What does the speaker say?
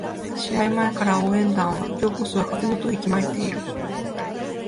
試合前から応援団は今日こそは勝つぞと息巻いている